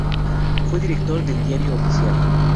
Fue Director del Diario Oficial.